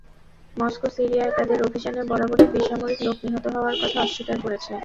Moscow সিরিয়ায় তাদের অভিযানে বরাবরই বেসামরিক লোক নিহত হওয়ার কথা অস্বীকার করেছে।